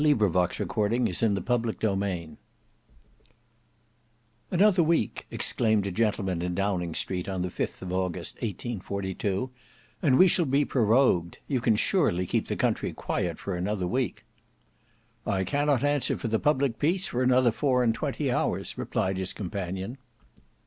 END OF THE FIFTH BOOK BOOK VI Book 6 Chapter 1 "Another week," exclaimed a gentleman in Downing Street on the 5th of August, 1842, "and we shall be prorogued. You can surely keep the country quiet for another week." "I cannot answer for the public peace for another four and twenty hours," replied his companion.